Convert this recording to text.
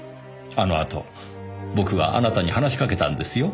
あのあと僕はあなたに話しかけたんですよ。